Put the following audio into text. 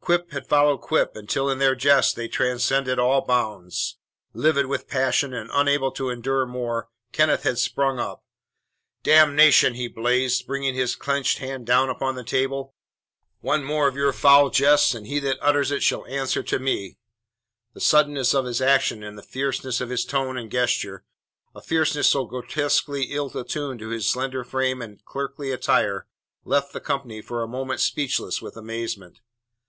Quip had followed quip until in their jests they transcended all bounds. Livid with passion and unable to endure more, Kenneth had sprung up. "Damnation!" he blazed, bringing his clenched hand down upon the table. "One more of your foul jests and he that utters it shall answer to me!" The suddenness of his action and the fierceness of his tone and gesture a fierceness so grotesquely ill attuned to his slender frame and clerkly attire left the company for a moment speechless with amazement.